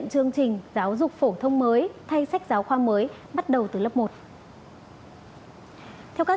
chương trình giáo dục phổ thông mới thay sách giáo khoa mới bắt đầu từ lớp một theo các